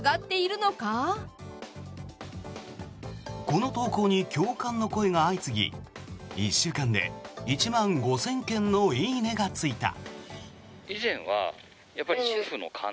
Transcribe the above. この投稿に共感の声が相次ぎ１週間で１万５０００件の「いいね」がついた。